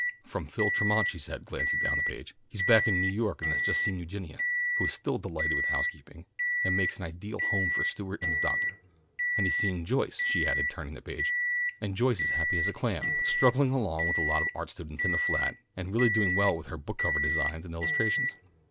"From Phil Tremont," she said, glancing down the page. "He's back in New York and has just seen Eugenia, who is still delighted with housekeeping, and makes an ideal home for Stewart and the doctor. And he's seen Joyce," she added, turning the page, "and Joyce is as happy as a clam, struggling along with a lot of art students in a flat, and really doing well with her book cover designs and illustrations."